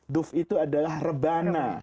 duf itu adalah rebana